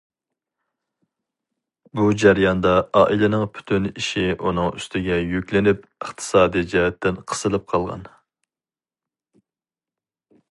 بۇ جەرياندا ئائىلىنىڭ پۈتۈن ئىشى ئۇنىڭ ئۈستىگە يۈكلىنىپ، ئىقتىسادىي جەھەتتىن قىسىلىپ قالغان.